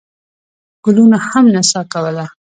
ګلونو هم نڅا کوله.